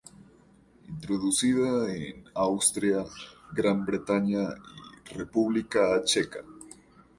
Introducida en Austria, Gran Bretaña y República Checa.